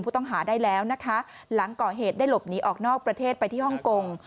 ผู้ต้องหาได้แล้วนะคะหลังก่อเหตุได้หลบหนีออกนอกประเทศไปที่ฮ่องกง